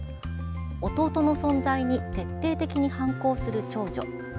弟の存在に徹底的に反抗する長女。